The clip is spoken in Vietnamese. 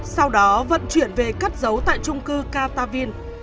sau đó vận chuyển về cắt dấu tại trung cư katawin